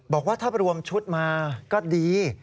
บอกว่าถ้ารวมชุดมาก็ดี